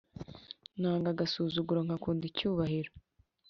nanga agasuzuguro ngAkunda icyubahiro